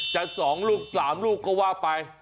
จากสองลูกสามลูกก็ว่าไป